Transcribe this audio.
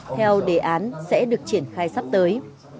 theo đề án sẽ được triển khai sắp tới